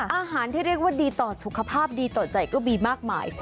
อาหารที่เรียกว่าดีต่อสุขภาพดีต่อใจก็มีมากมาย